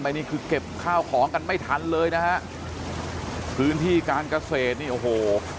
ไปนี่คือเก็บข้าวของกันไม่ถันเลยนะคะคืนที่การกระเศษนี่โอโห